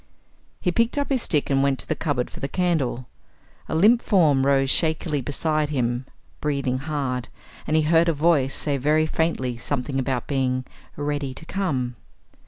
He picked up his stick and went to the cupboard for the candle. A limp form rose shakily beside him breathing hard, and he heard a voice say very faintly something about being "ready to come."